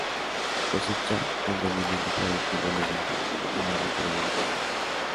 Cosecha con rendimiento productivo elevado y largo periodo de cosecha.